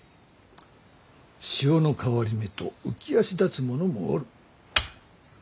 潮の変わり目と浮き足だつ者もおる。